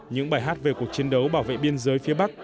những bài hát về cuộc chiến đấu bảo vệ biên giới phía bắc